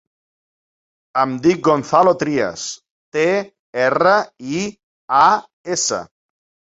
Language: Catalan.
Em dic Gonzalo Trias: te, erra, i, a, essa.